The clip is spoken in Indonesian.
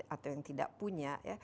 atau yang tidak punya